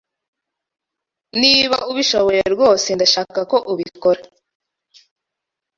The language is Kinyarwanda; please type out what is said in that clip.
Niba ubishoboye rwose, ndashaka ko ubikora.